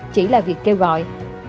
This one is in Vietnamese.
chỉ là việc kêu gọi